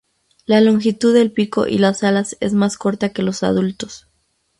La longitud del pico y las alas es más corta que los adultos.